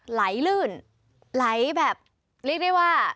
ไหลลื่นไหลแบบเรียกได้ว่า